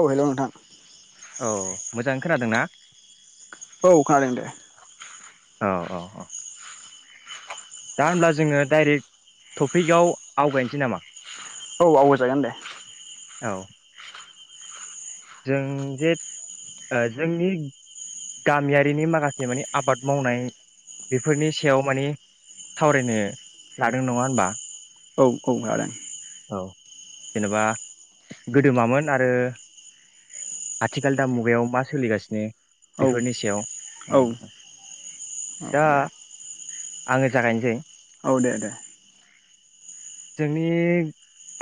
औ हेल नोंथां औ मोजां खोनादों ना औ खानादों दे औ औ औ दा होमब्ला जोङो डाइरेक्ट टपिकआव आवगायनोसै नामा औ आवगाय जागोन दे औ जों जे जोंनि गामियारिनि माखासे माने आबाद मावनाय बेफोरनि सायाव माने सावरायनो लादों नङा होनबा औ औ लादों औ जेनेबा गोदो मामोन आरो आथिखाल दा मुगायाव मा सोलिगासिनो औ बेफोरनि सायाव औ उम औ अ दा दे आङो जागायनोसै औ दे दे जोंनि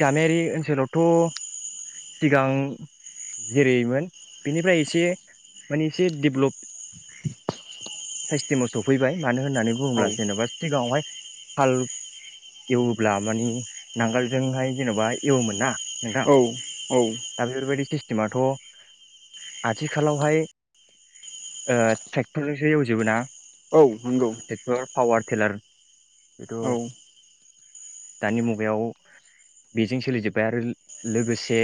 गामियारि ओनसोलावथ सिगां जेरैमोन बेनिफ्राय एसे माने एसे डेभ्लप सिस्टेमाव सफैबाय मानो होननानै औ बुङोब्ला जेनेबा सिगाङावहाय हाल एवोब्ला मानि नांगोलजोंहाय जेनबा एवोमोन ना नोंथां औ औ दा बेफोरबायदि सिस जेनेबाथ' आथिखालावहाय ओ ट्रेक्टरजोंसो एवजोबो ना औ नंगौ ट्रेक्टर फावार टेलार बेथ' औ दानि मुगायाव बेजों सोलिजोबबाय आरो लोगोसे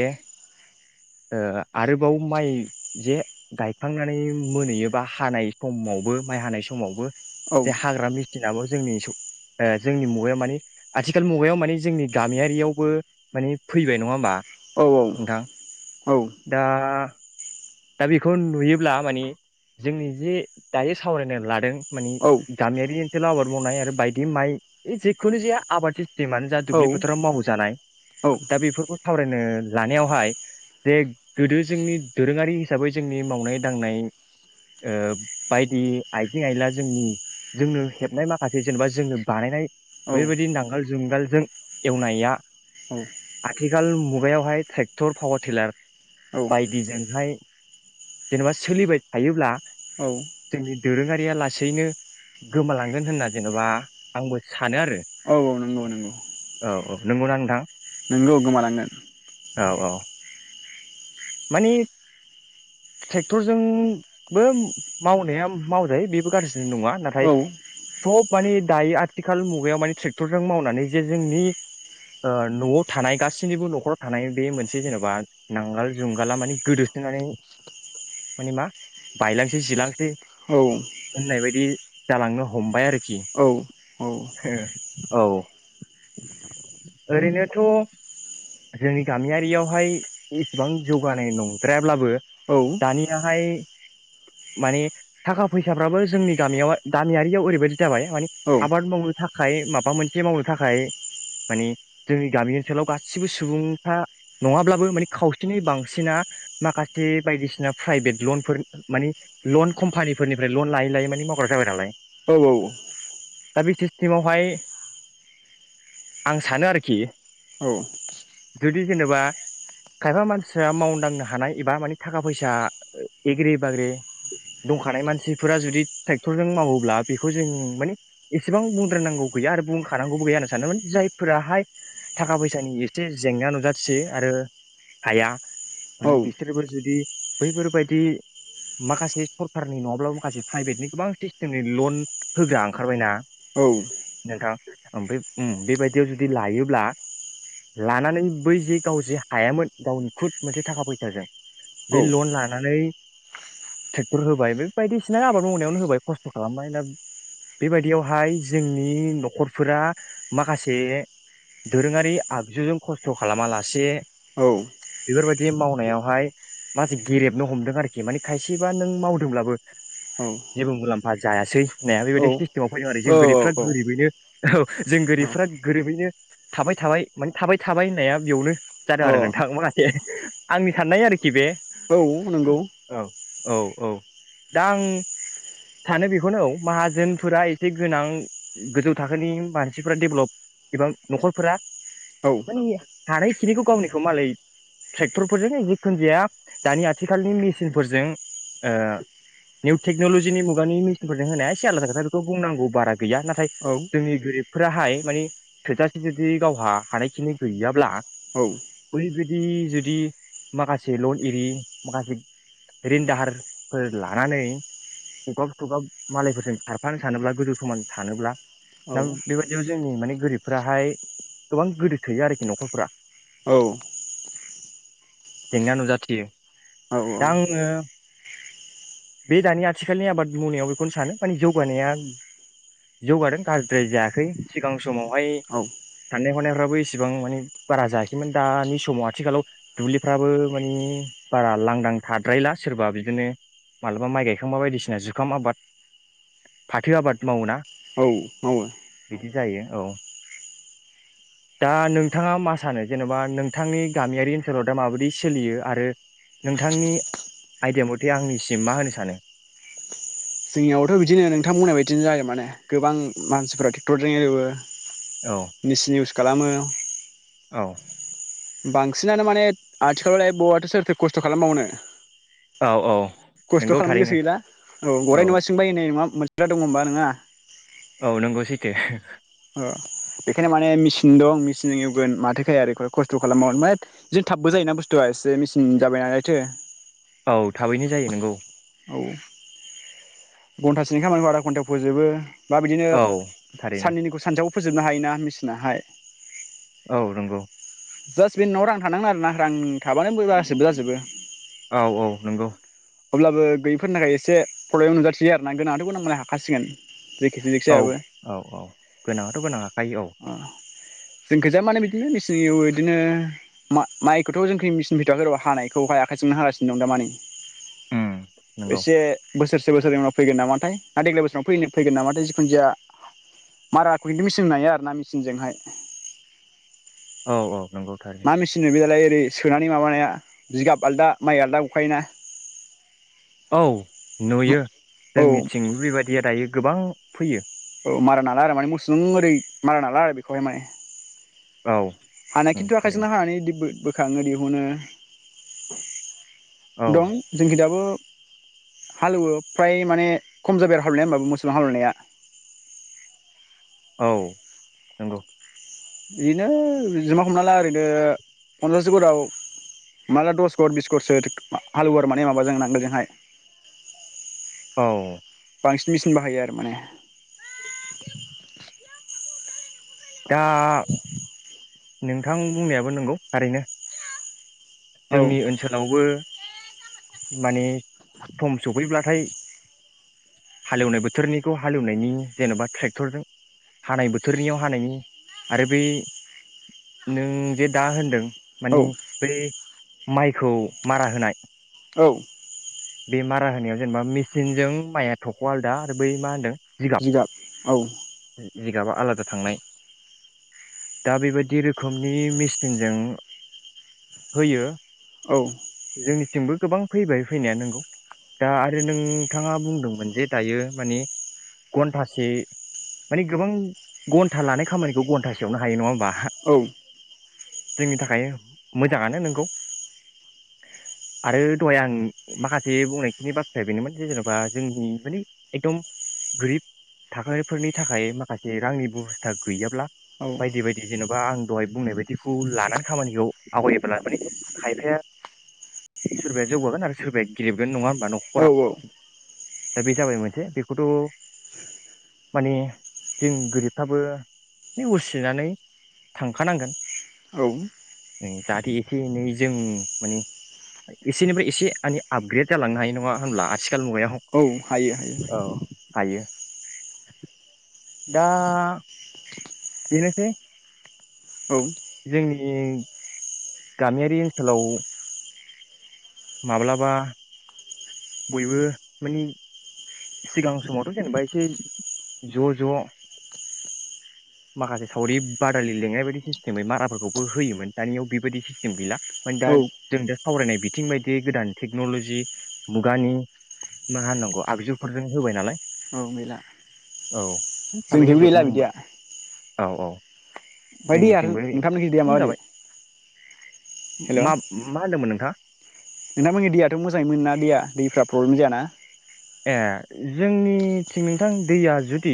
ओ आरोबाव माइ जे गायखांनानै मोनहैयोबा हानाय समावबो माइ हानाय समावबो औ जे हाग्रा मेसिनाबो जोंनि ओ जोंनि मुगायाव माने आथिखाल मुगायाव माने जोंनि गामियारियावबो माने फैबाय नङा मा औ औ औ दा दा बेखौ नुयोब्ला माने जोंनि जे दायो सावरायनो लादों माने गामियारि ओनसोलाव आबाद मावनाय आरो बायदि माइ जेखुनु जाया आबाद सिस टिमनो जा दुब्लि फोथाराव मावो जानाय दा बेफोरखौ सावरायनो लानायावहाय जे गोदो जोंनि दोरोङारि हिसाबै जोंनि मावनाय दांनाय ओ बायदि आइजें आइला जोंनि जोंनो हेबनाय माखासे जेनेबा जोंनो बानायनाय बेफोरबायदि नांगोल जुंगालजों एवनाया आथिखाल मुगायावहाय ट्रेक्टर पावार टिलार औ बायदिजोंहाय जेनेबा सोलिबाय थायोब्ला औ जोंनि दोरोङारिया लासैनो गोमालांगोन होनना जेनेबा आंबो सानो आरो औ नंगौ नंगौ औ औ नंगौना नोंथां नोंगौ गोमालांगोन औ औ माने ट्रेक्टरजोंबो मावनाया मावजायो बेबो गाज्रि नङा नाथाय औ सब माने दायो आथिखाल मुगायाव माने ट्रेक्टरजों मावनानै जे जोंनि नआव थानाय गासैनिबो नखराव थानाय बे मोनसे जेनेबा नांगोल जुंगाला माने गोदोसोनानै माने मा बायलांसै जिलांसै औ नाय बादि जालांनो हमबाय आरोखि औ हो औ ओरैनोथ जोंनि गामियारियावहाय इ एसेबां जौगानाय नंद्रायाब्लाबो औ दानियाहाय माने थाखा फैसाफ्राबो जोंनि गामियाव गामियारियाव ओरैबायदि जाबाय माने आबाद मावनो थाखाय माबा मोनसे मावनो थाखाय मानिे जोंनि गामि ओनसोलाव गासिबो सुबुंफ्रा नङाब्लाबो माने खावसेनि बांसिना माखासे बायदिसिना प्राइभेट लनफोर माने लन कम्पानिफोरनिफ्राय लन लायै लायै माने मावग्रा जाबाय नालाय औ दा बे सिस्टेमावहाय आं सानो आरोखि औ जुदि जेनेबा खायफा मानसिया मावनो दांनो हानाय एबा माने थाखा फैसा एग्रे बाग्रे दंखानाय मानसिफोरा जुदि ट्रेक्टरजों मावोब्ला बेखौ जों माने एसेबां बुंद्रनांगौ गैया आरो बुंखानांगौबो गैया होनना सानो माने जायफोराहाय थाखा फैसानि एसे जेंना नुजाथियो आरो हाया माने बिसोरबो जुदि बैफोरबायदि माखासे सरखारनि नङाब्ला माखासे प्राइभेटनि गोबां सिस्टेमनि लन होग्रा ओंखारबायना औ नोंथां ओमफ्राय उम बेबायदियाव जुदि लायोब्ला लानानै बै जे गाव जे हायामोन गावनि खुद मोनसे थाखा फैसाजों बे लन लानानै ट्रेक्टर होबाय बे बायदिसिना आबाद मावनायावनो होबाय खस्थ' खालामबाय दा बेबायदियावहाय जोंनि नखरफोरा माखासे दोरोङारि आगजुजों खस्थ' खालामा लासे बेफोरबायदि मावनायावहाय माखासे गेरेबनो हमदों आरोखि माने खायसेबा नों मावदोंब्लाबो जेबो मुलाम्फा जायासै नाया बेबायदि सिस्टेमाव फैदों आरो जों गोरिबफ्रा गोरिबयैनो औ जों औ गोरिबफ्रा गोरिबैनो थाबाय थाबाय माने थाबाय थाबाय होननाया बेयावनो औ जादों आरो नोंथां माखासे आंनि साननाय आरोखि बे औ नंगौ औ औ औ दा आं सानो बेखौनो औ माहाजोनफोरा एसे गोनां गोजौ थाखोनि मारसिफोरा डेभेलप एबा नखरफोरा औ माने [unintelligible] खिनिखौ गावनिखौ मालाय ट्रेक्टरफोरजोंन जिखुन जाया दानि आथिखालनि मेसिनफोरजों ओ निउ टेक्नलजिनि मुगानि मेसिनफोरजों होनाया एसे आलादा खोथा बेखौ बुंनांगौ बारा गैया नाथाय औ जोंनि गोरिबफोराहाय मानि थोजासे जुदि गावहा हानायखिनि गैयाब्ला औ ओरैबायदि जुदि माखासे लन एरि माखासे रिन दाहार फोर लानानै गगाब सगाब मालायफोरजों खारफानो सानोब्ला गोजौ समान सानोब्ला औ दा बेबायदियाव जोंनि माने गोरिब फोराहाय गोबां गोदो सोयो आरोखि नखरफोरा औ जेंना नुजाथियो औ दा आङो बे दानि आथिखालनि आबाद मावनायाव बेखौनो सानो माने जौगानाया जौगादों गाज्रिद्राय जायाखै सिगां समावहाय औ साननाय हनायफ्राबो इसेबां मानि बारा जायाख दानि समाव आथिखालाव दुब्लिफ्राबो माने बारा लांदां थाद्रायला सोरबा बिदिनो मालाबा माइ गायखांबा बायदिसिना जुखाम आबाद फाथो आबाद मावो ना मावो बिदि जायो औ दा नोंथाङा मा सानो जेनबा नोंथांनि गामियारि ओनसोलाव दा माबायदि सोलियो आरो नोंथांनि आइदिया मथे आंनिसिम मा होनो सानो जोंनियावबोथ बिदिनो नोंथांबुंनाय बायदिनो जायो माने गोबां मानसिफोरा टेक्टरजों एवो औ मिस इउस खालामो औ बांसिनानो माने आथिखालावलाय बहाथो सोरथो खस्थ खालामबावनो औ औ खस्थ नोंगौ खालामनो थारैनो गोसो गैला औ गराय नुवा सिंबायो ओननाय नङा मोन दङ होनबा नोङा औ नंगौ सैथो अ बेखायनो माने मेसिन दं मेसिनजों एवगोन माथोखाया आरो खस्थ खालामाव ओमफ्राय बिदिनो थाबबो जायोना बुस्थुआ एसे मेचिन जाबाय नालायथो औ थाबैनो जायो नंगौ औ घन्टासेनि खामानिखौ आदा घन्टायाव फोजोबो बा बिदिनो औ थारैनो साननैनिखौ सानसेयाव फोजोबनो हायो ना मेसिनाहाय औ नंगौ जास बे नोंनाव रां थानांगोन आरोना रां थाबानो बो गासोबो जाजोबो औ औ नंगौ अब्लाबो गैयैफोरनि थाखाय एसे प्रब्लेम नुजाथि बियो आरना गोनां आथ गोनां मालाय हाखासिगोन जेखि औ जेखिजायाबो औ औ गोनाङाथ गोनां हायो औ जोंखैजाय माने बिदिनो मिसिनजों एवो इदिनो मा माइखौथ जोंखै मिसिन फैथवाखै र हानायखौहाय आखाइजोंनो हागासिनो दं दामानि उम नंगौ एसे बोसोरसे बोसोरनैनि उनाव फैगोन नामाथाय ना देग्लाय बोसोराव नो फ फैगोन नामाथाय जिखुनु जाया माराखौ खिन्थु मिसिनजोंनो हायो आरो ना मिसिं जोंहाय औ औ नंगौ थारैनो मा मेसिन बे दालाय ओरै सोनानै माबानाया जिगाब आलदा माइ आलादा गखायोना औ नुयो औ जोंनिथिंबो बेबायदिया दायो गोबां फैयो औ मारा नाला आरो माने मुसुजों ओरै मारा नाला आरो बेखौहाय माय औ हानाय उम खिनथु थारैनो आखायजोंनो हानानै दिबो बो खाङो दिहुनो औ दं जोंखि दाबो हालेवो फ्राय माने खम जाबाय आरो हालवनाया हबाबो मोसौजों हालवनाया औ नंगौ बिदिनो जमा हमना ला ओरैनो पनसास घराव हमना ला दस घर बिस घरसो हालुवो माने आरो नांगोल जोंहाय औ बांसिन मेसिन बाहायो आरो माने दा नोंथां बुंनायाबो नोंगौ थारैनो औ जोंनि ओनसोलावबो माने सम सफैब्लाथाय हालेवनाय बोथोरनिखौ हालेवनायनि जेनबा ट्रेक्टरजों हानाय बोथोरनियाव हानायनि आरो बै नों जे दा होनदों औ मानि बे माइखौ मारा होनाय औ बे मारा होनायाव जेनेबा मेसिनजों माइया थख आलदा आरो बै मा होनदों जिगाब जिगाबा आलादा थांनाय दा बेबायदि रोखोमनि मेसिनजों होयो औ जोंबो गोबां फैबाय फैनाया नों दा आरो नोंथाङा बुंदोंमोन जे दायो माने घन्टासे माने गोबां घन्टा लानाय खामानिखौ घन्टासेयावनो हायो नङा होमबा औ जोंनि थाखाय मोजाङानो नोंगौ आरो दहाय आं माखासे बुंनायखिनि बाथ्राया बेनोमोन जे जेनबा जोंनि मानि एकदम गोरिब थाखोफोरनि थाखाय माखासे रांनि बेबस्था गैयाब्ला औ बायदि बायदि जेने बा आं दहाय बुंनायबादि बिखौ लानानै खामानिखौ आवगायोब्ला माने खायफाया सोरबाया जौगागोन आरो सोरबाया गेरेबगोन नङा हो बा नखरा औ दा बे जाबाय मोनसे बेखौथ माने जों गोरिबफ्राबो नेउसिनानै थांखानांगोन औ नै जाहाथे एसे एनै जों माने एसेनिफ्राय एसे माने आपग्रेद जालांनो हायो नङा होनब्ला आथिखाल मुगायाव औ हायो हायो औ हायो दा बेनोसै औ जोंनि गामियारि ओनसोलाव माब्लाबा बयबो माने सिगां समावथ जेनेबा एसे ज ज माखासे सावरि बादालि लेंनाय बायदि सिस्टेमै माराफोरखौबो होयोमोन दानियाव बेबायदि सिस्टेम गैला फाय दा औ जों दा सावरायनाय बिथिं बायदि गोदान टेक्नलजि मुगानि मा होननांगौ आगजुफोरजों होबाय नालाय औ थाबैनो जोंजोंबो गैला जोबनो हमबाय बिदिया औ औ ओमफाय दैयारो जोंनिथिंबो नोंथांमोनखि दैया खम माबादि जाबाय हेल मा मा होनदोंमोन नोंथाङा नोंथांमोननि दैयाथ मोजाङै मोन ना दैया दैफ्रा प्रब्लेम जायाना ए जोंनिथिं नोंथां दैया जुदि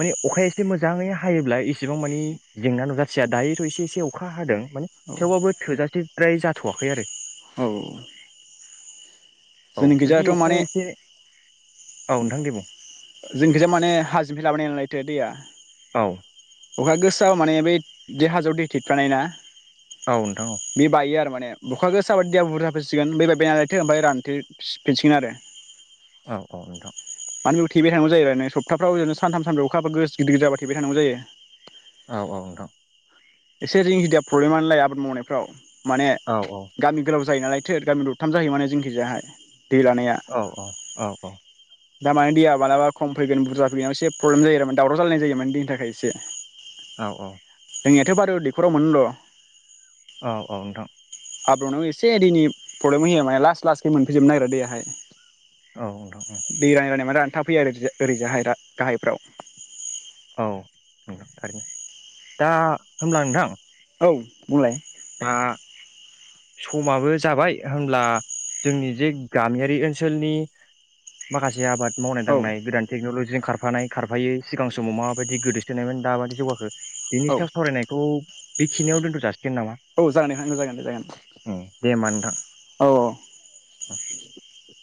माने अखाया एसे मोजाङै हायोब्ला‌ एसेबां मानि जेंना नुजाथिया दायोथ एसे एसे अखा हादों माने औ थेवबाबो थोजासे फ्राय जाथवाखै आरो औ औ जुदि अखाया एसे औ नोंथां दे बुं जोंखिजा माने हाजोनिफाय लाबोनाय नालायथो दैया औ अखा गोसाआव माने बै दि हाजोआव दै थेट बानाय ना औ नोंथां औ बे बायो आरो माने माने बुखा गोसाबायदिया बुरजासिगोन बेबायनालायथो ओमफाय रानथो फिनसिगोन आरो औ औ मानिबो थेबाय थानांग जायो आरोै सपटाफ्रावरनो सानथा सानब्रैयाव अखााब गो गदिर गदिराबा थबाय थांगौ जायो। औ ओ नोंथां एसे रिंखिदिया प्रब्लेमानलाया आबाद मावनायफ्राव माने औ औ गामि गोलाव जायो नालाय थो गामि दरथाम जाहै माने जोंखिजाहाय औ ओ औ‌ ओ दा माने दैया मालाबा खम फैगोन बुरजिफैनायाव एसे प्रब्लेम जायो आरो दावराव जालायनाय जोमोन दैनि थाखाय एसे औ ओ जोंनियाथ बारु दैखराव मोनो र औ औ नोंथां आब्रुदों एसे दैननि प्रब्लेम होयो माने लास लासखै मोनफैजोबनो नागिरा दैेयाहाय। औ नोंथां औ दै रानै रानै माने रानथाफैयो आरो ओरै ओरैजाहाय गाहायफ्राव औ नोंथां थारैनो दा होब्ला नोंथां औ बुंलाय दा समाबो जाबाय होनब्ला जोंनि जे गामियारि ओनसोलनि माखासे आबाद मावनाय औ दांनाय गोदान टेकनलजि खारफानाय खारफायै सिगां समाव माबायदि गोदोसोनायमोन दाबायदि जौगाखो औ बेनि सायाव सावरायनायखौ बेखिनियाव दोनथ जासिगोन ना औ जागोन दे जागोन दे जागोन औ औ आ [inaudible]